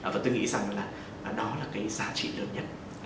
và tôi nghĩ rằng đó là giá trị lớn nhất